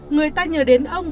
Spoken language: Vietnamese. người ta nhờ đến ông